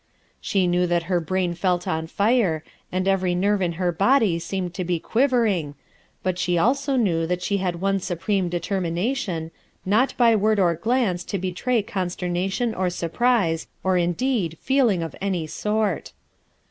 She knew that her brain felt on fire, and every nerve in her body seemed to be quivering, but she also knew that she had one supreme deter mination, not by word or glance to betray con sternation or surprise or indeed feeling of any sort.